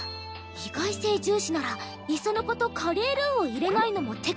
意外性重視ならいっそのことカレールーを入れないのも手か。